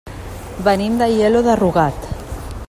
Venim d'Aielo de Rugat.